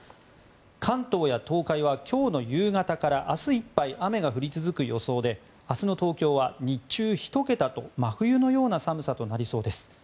関東や東海は今日の夕方から明日いっぱい雨が降り続く予想で明日の東京は日中、１桁と真冬のような寒さとなりそうです。